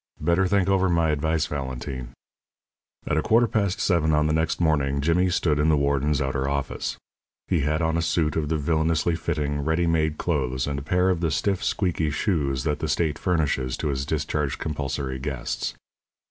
Better think over my advice, Valentine." At a quarter past seven on the next morning Jimmy stood in the warden's outer office. He had on a suit of the villainously fitting, ready made clothes and a pair of the stiff, squeaky shoes that the state furnishes to its discharged compulsory guests.